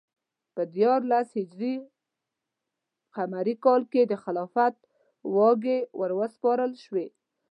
په دیارلس ه ق کال کې د خلافت واګې وروسپارل شوې.